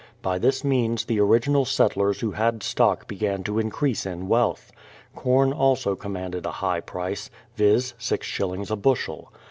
By this means the original settlers who had stock began to increase in wealth. Corn also commanded a high price, viz., six shillings a bushel.